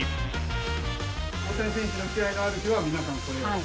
大谷選手の試合がある日は皆さんこれ？